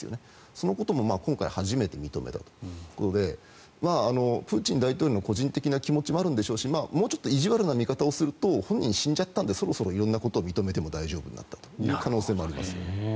そのことも今回初めて認めたということでプーチン大統領の個人的な気持ちもあるでしょうしちょっと意地悪な見方をすると本人が死んじゃったので色んなことを認めても大丈夫ということかなと思います。